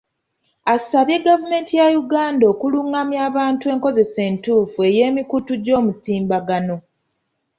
Asabye gavumenti ya Uganda okulungamya abantu ku nkozesa entuufu ey'emikutu gy'omutimbagano.